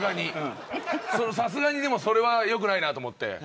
さすがにでも、それはよくないなと思って。